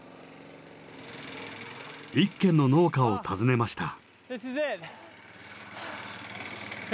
一軒の農家を訪ねました。